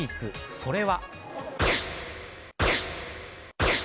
それは。